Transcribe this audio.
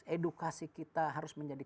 edukasi kita harus menjadi